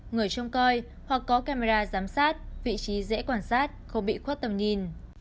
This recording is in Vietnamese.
người trông coi hoặc có camera giám sát vị trí dễ quan sát không bị khuất tầm nhìn